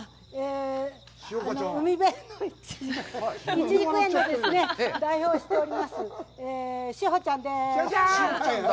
いちじく園の代表をしております志保ちゃんです。